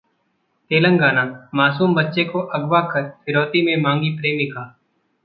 तेलंगानाः मासूम बच्चे को अगवा कर फिरौती में मांगी प्रेमिका